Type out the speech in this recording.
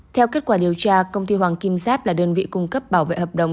theo kết quả điều tra công ty hoàng kim giáp là đơn vị cung cấp bảo vệ hợp đồng